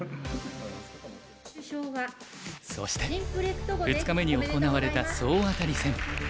そして２日目に行われた総当たり戦。